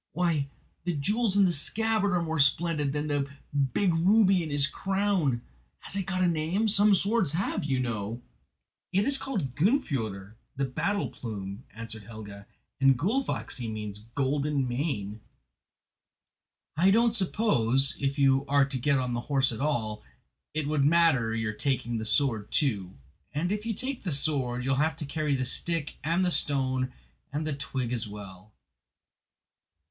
Why, the jewels in the scabbard are more splendid than the big ruby in his crown! Has it got a name? Some swords have, you know." "It is called 'Gunnfjoder,' the 'Battle Plume,'" answered Helga, "and 'Gullfaxi' means 'Golden Mane.' I don't suppose, if you are to get on the horse at all, it would matter your taking the sword too. And if you take the sword you will have to carry the stick and the stone and the twig as well."